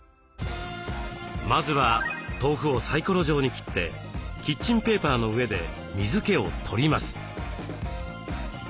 まずは豆腐をサイコロ状に切ってキッチンペーパーの上で水けを取ります。